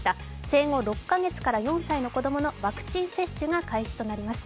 生後６か月から４歳の子供のワクチン接種が開始となります。